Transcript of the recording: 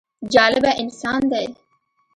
جالبه انسان دی.